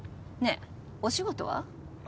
ねえお仕事は？